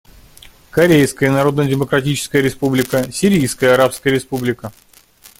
Корейская Народно-Демократическая Республика, Сирийская Арабская Республика.